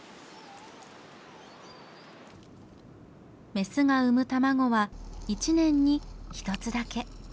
メスが産む卵は１年に一つだけ。